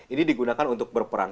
ini digunakan untuk berperang